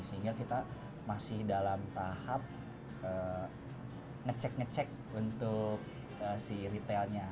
sehingga kita masih dalam tahap ngecek ngecek untuk si retailnya